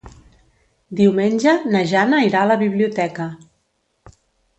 Diumenge na Jana irà a la biblioteca.